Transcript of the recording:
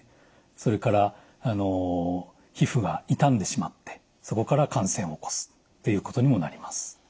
それから皮膚が傷んでしまってそこから感染を起こすっていうことにもなります。